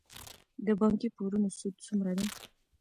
د بانکي پورونو سود څومره دی؟